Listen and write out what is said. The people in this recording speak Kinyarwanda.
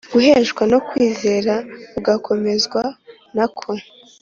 guheshwa no kwizera kugakomezwa na ko